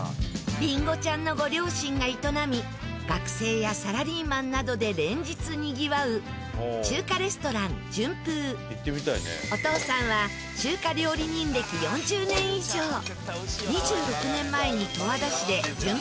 りんごちゃんのご両親が営み学生やサラリーマンなどで連日にぎわうお父さんは２６年前に十和田市で順風をオープン。